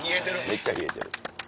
めっちゃ冷えてる。